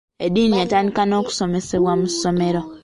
Eddiini yatandika n’okusomesebwa mu masomero.